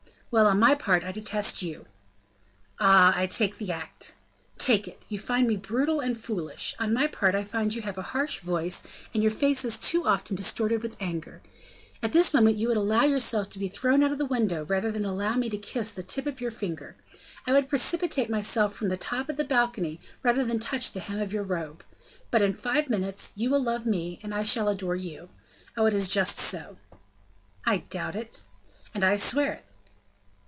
"Well, on my part, I detest you." "Ah! I take the act." "Take it. You find me brutal and foolish; on my part I find you have a harsh voice, and your face is too often distorted with anger. At this moment you would allow yourself to be thrown out of that window rather than allow me to kiss the tip of your finger; I would precipitate myself from the top of the balcony rather than touch the hem of your robe. But, in five minutes, you will love me, and I shall adore you. Oh, it is just so." "I doubt it." "And I swear it."